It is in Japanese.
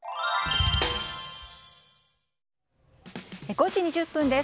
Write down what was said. ５時２０分です。